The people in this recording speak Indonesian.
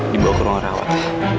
di bawah kerungan rawat